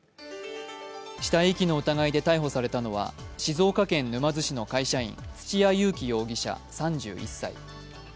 死体遺棄の疑いで逮捕されたのは静岡県沼津市の会社員、土屋勇貴容疑者３１歳。